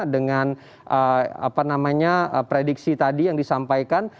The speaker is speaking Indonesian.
dengan apa namanya prediksi tadi yang disampaikan